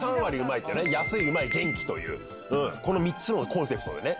ってね、安い、うまい、元気という、この３つのコンセプトでね。